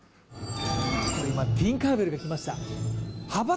今、ティンカーベルが来ました。